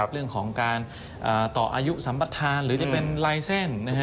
เรื่องของการต่ออายุสัมปรัชนาหรือจะเป็นลายเซ็นนะครับ